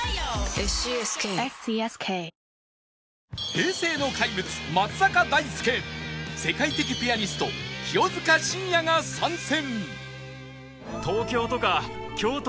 平成の怪物松坂大輔世界的ピアニスト清塚信也が参戦！